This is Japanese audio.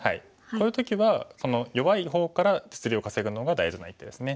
こういう時は弱い方から実利を稼ぐのが大事な一手ですね。